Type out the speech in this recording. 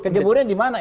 ke jeburnya dimana